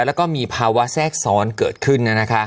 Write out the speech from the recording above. แล้วก็มีภาวะแทรกซ้อนเกิดขึ้น